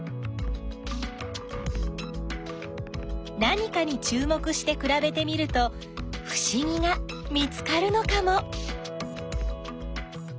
何かにちゅう目してくらべてみるとふしぎが見つかるのかも！？